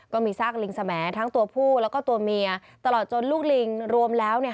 ก็มีซากลิงสมทั้งตัวผู้แล้วก็ตัวเมียตลอดจนลูกลิงรวมแล้วเนี่ย